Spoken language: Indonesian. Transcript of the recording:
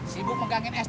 carbohydrates dan ketik